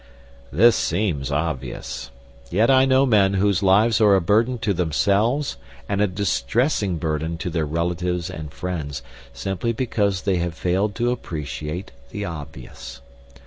This seems obvious. Yet I know men whose lives are a burden to themselves and a distressing burden to their relatives and friends simply because they have failed to appreciate the obvious.